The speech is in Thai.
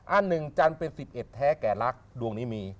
อันหนึ่งจันทร์เป็น๑๑แท้แก่รักดวงนี้มี